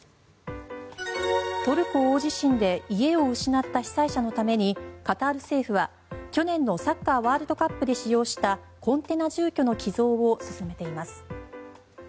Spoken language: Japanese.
トルコ大地震で家を失った被災者のためにカタール政府は去年のサッカーワールドカップで使用したコンテナ住居の寄贈を進めています。